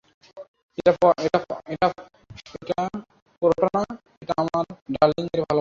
এটা পরোটা না, এটা আমার ডার্লিং এর ভালবাসা।